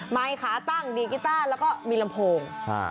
ขาตั้งดีกีต้าแล้วก็มีลำโพง